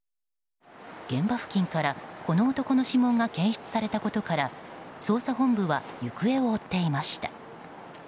現場付近から、この男の指紋が検出されたことから捜査本部は行方を追っていました。